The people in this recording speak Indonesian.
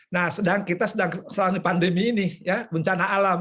nah sedang kita selama pandemi ini ya bencana alam